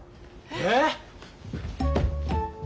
えっ！？